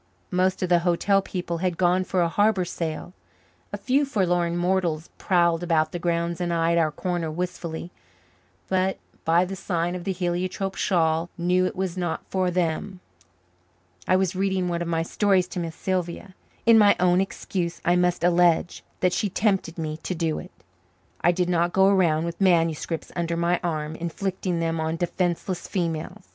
Most of the hotel people had gone for a harbour sail; a few forlorn mortals prowled about the grounds and eyed our corner wistfully, but by the sign of the heliotrope shawl knew it was not for them. I was reading one of my stories to Miss Sylvia. In my own excuse I must allege that she tempted me to do it. I did not go around with manuscripts under my arm, inflicting them on defenceless females.